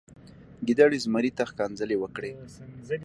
ګیدړې زمري ته ښکنځلې وکړې.